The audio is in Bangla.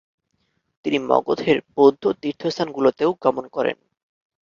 তিনি মগধের বৌদ্ধ তীর্থস্থানগুলোতেও গমন করেন।